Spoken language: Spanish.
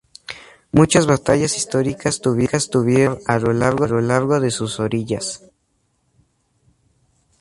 Muchas batallas históricas tuvieron lugar a lo largo de sus orillas.